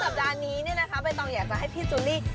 สัปดาห์นี้เนี่ยนะคะใบตองอยากจะให้พี่จูลี่